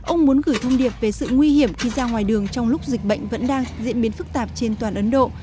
ông muốn gửi thông điệp về sự nguy hiểm khi ra ngoài đường trong lúc dịch bệnh vẫn đang diễn biến phức tạp trên toàn ấn độ